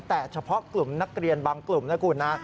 แต่เฉพาะกลุ่มนักเรียนบางกลุ่มนะคุณนะ